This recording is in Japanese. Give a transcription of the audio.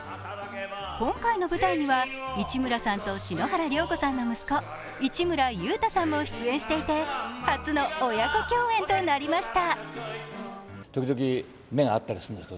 今回の舞台には、市村さんと篠原涼子さんの息子市村優汰さんも出演していた初の親子共演となりました。